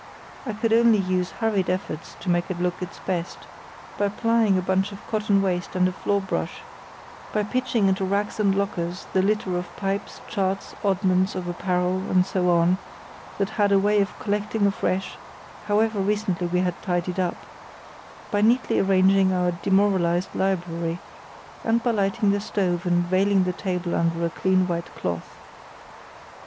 I could only use hurried efforts to make it look its best by plying a bunch of cotton waste and a floor brush; by pitching into racks and lockers the litter of pipes, charts, oddments of apparel, and so on, that had a way of collecting afresh, however recently we had tidied up; by neatly arranging our demoralised library, and by lighting the stove and veiling the table under a clean white cloth.